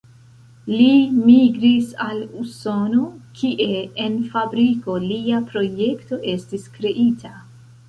Li migris al Usono, kie en fabriko lia projekto estis kreita.